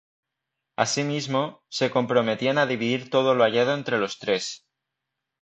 Asimismo, se comprometían a dividir todo lo hallado entre los tres.